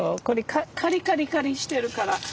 これカリカリカリしてるから。